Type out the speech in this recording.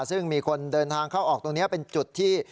ซึ่งมีคนเดินทางเข้าออกตรงนี้เป็นจุดที่